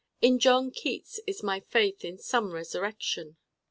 In John Keats is my faith in some resurrection.